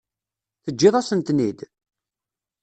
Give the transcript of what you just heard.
Teǧǧiḍ-asen-ten-id?